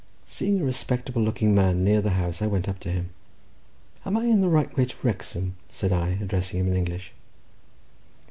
Seeing a respectable looking man near the house, I went up to him. "Am I in the right way to Wrexham?" said I, addressing him in English.